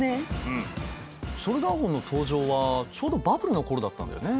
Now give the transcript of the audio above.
うんショルダーホンの登場はちょうどバブルの頃だったんだよね。